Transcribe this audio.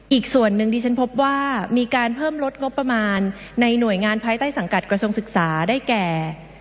อีกส่วนหนึ่งที่ฉันพบว่ามีการเพิ่มลดงบประมาณในหน่วยงานภายใต้สังกัดกระทรวงศึกษาได้แก่